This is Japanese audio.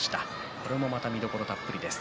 これもまた魅力たっぷりです。